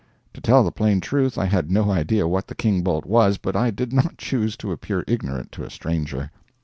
To tell the plain truth, I had no idea what the king bolt was, but I did not choose to appear ignorant to a stranger.